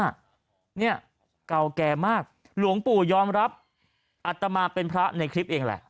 เนี่ยเก่าแก่มากหลวงปู่ยอมรับอัตมาเป็นพระในคลิปเองแหละ